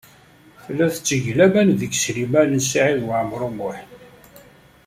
Tella tetteg laman deg Sliman U Saɛid Waɛmaṛ U Muḥ.